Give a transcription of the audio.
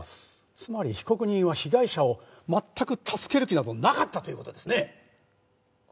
つまり被告人は被害者を全く助ける気などなかったという事ですね？